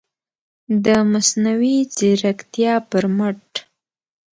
د مصنوعي ځیرکتیا پر مټ